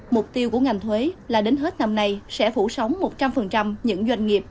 mục tiêu của ngành thuế là đến hết năm nay sẽ phủ sóng một trăm linh những doanh nghiệp